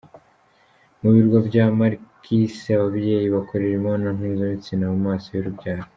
Mu birwa bya “Marquise” ababyeyi bakorera imibonanompuzabitsina mu maso y’urubyaro.